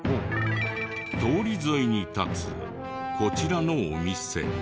通り沿いに立つこちらのお店。